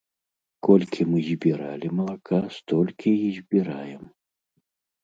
Колькі мы збіралі малака, столькі і збіраем.